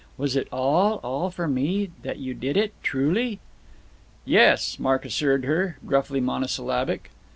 Was it all, all for me, that you did it, truly?" "Yes," Mark assured her, gruffly monosyllabic.